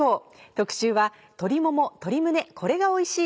特集は「鶏もも鶏胸これがおいしい！」。